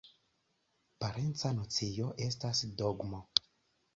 Parenca nocio estas ”dogmo”.